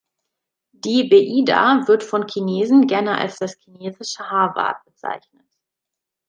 Die Beida wird von Chinesen gerne als das chinesische Harvard bezeichnet.